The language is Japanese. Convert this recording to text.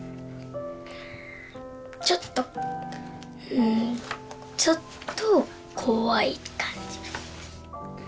ちょっとうんちょっと怖い感じ。